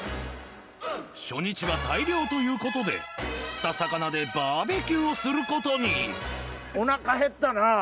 初日は大漁ということで釣った魚でバーベキューをすることにおなかへったな。